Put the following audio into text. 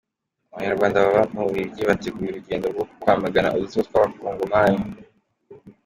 Abanyarwanda baba mu Bubiligi bateguye urugendo rwo kwamagana udutsiko tw’Abakongomani